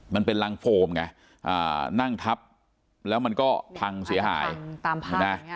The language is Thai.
มันเป็นรังโฟมไงอ่านั่งทับแล้วมันก็พังเสียหายตามภาพอย่างเงี้ย